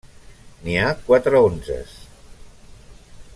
N’hi ha quatre unces.